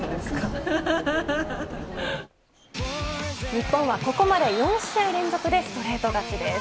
日本は、ここまで４試合連続でストレート勝ちです。